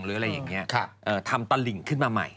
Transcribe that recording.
หรืออะไรอย่างนี้ทำตลิ่งขึ้นมาใหม่